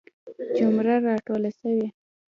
جمله را ټوله سوي.